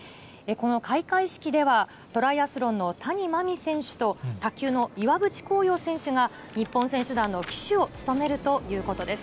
この開会式では、トライアスロンの谷真海選手と、卓球の岩渕幸洋選手が、日本選手団の旗手を務めるということです。